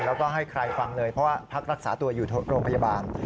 แล้วก็ให้ใครฟังเลยเพราะว่าพักรักษาตัวอยู่โรงพยาบาล